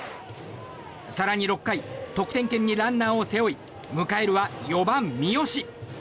更に６回得点圏にランナーを背負い迎えるは４番、三好。